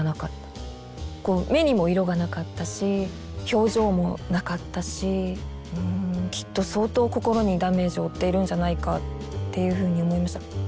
こう目にも色がなかったし表情もなかったしきっと相当心にダメージを負っているんじゃないかっていうふうに思いました。